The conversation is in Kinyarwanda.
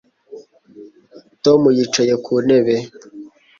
Tom yicaye ku ntebe